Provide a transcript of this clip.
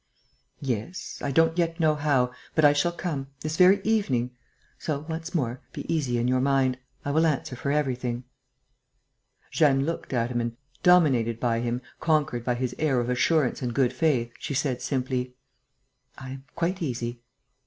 "Yes. I don't yet know how ... But I shall come.... This very evening.... So, once more, be easy in your mind. I will answer for everything." Jeanne looked at him and, dominated by him, conquered by his air of assurance and good faith, she said, simply: "I am quite easy."